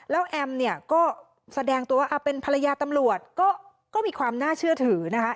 แล้วแอมเนี่ยก็แสดงตัวว่าเป็นภรรยาตำรวจก็มีความน่าเชื่อถือนะคะ